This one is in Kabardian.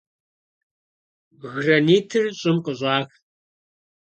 Гранитыр щӀым къыщӀах.